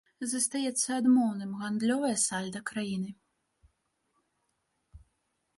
Застаецца адмоўным гандлёвае сальда краіны.